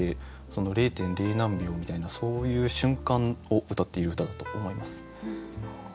その０．０何秒みたいなそういう瞬間をうたっている歌だと思います。